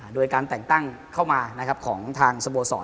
โดยการแต่งตั้งเข้ามาของทางสโมสร